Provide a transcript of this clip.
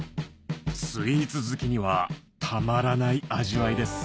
スイーツ好きにはたまらない味わいです